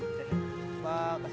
ini buat bapak